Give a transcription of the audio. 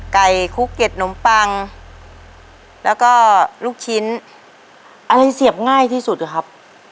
คุกเด็ดนมปังแล้วก็ลูกชิ้นอะไรเสียบง่ายที่สุดอะครับ